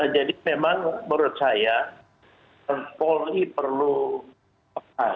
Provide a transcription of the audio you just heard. jadi memang menurut saya polri perlu berpengaruh